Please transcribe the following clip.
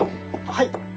はい！